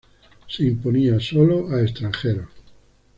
Se imponía sólo a extranjeros.